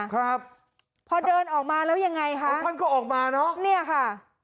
ครับพอเดินออกมาแล้วยังไงคะท่านก็ออกมาเนอะเนี่ยค่ะ